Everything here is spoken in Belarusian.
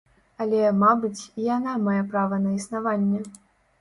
Але, мабыць, і яна мае права на існаванне.